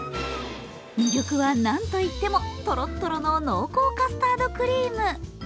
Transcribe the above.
魅力は、何といっても、とろっとろの濃厚カスタードクリーム。